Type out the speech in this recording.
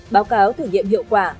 báo cáo thử nghiệm hiệu quả